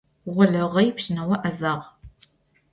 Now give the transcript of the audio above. Олэгъэй пщынэо lэзагъ